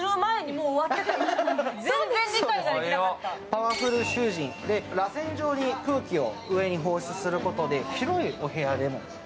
パワフル集じん、らせん状に上に空気を放出することで広いお部屋でも。